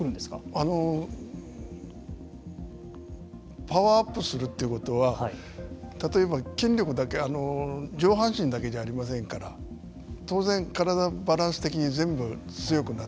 あのパワーアップするっていうことは例えば筋力だけ上半身だけじゃありませんから当然体バランス的に全部強くなってくる。